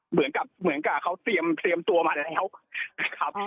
เหมือนกับเขาเตรียมตัวมาแล้วครับ